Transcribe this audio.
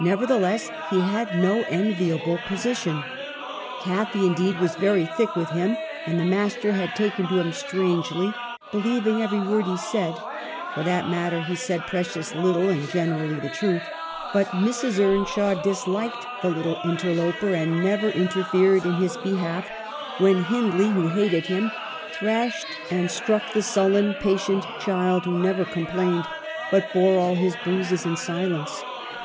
Nevertheless, he had no enviable position. Cathy, indeed, was very thick with him, and the master had taken to him strangely, believing every word he said, " for that matter he said precious little, and generally the truth," but Mrs. Earnshaw disliked the little interloper, and never interfered in his behalf when Hindley, who hated him, thrashed and struck the sullen, patient child, who never complained, but bore all his bruises in silence.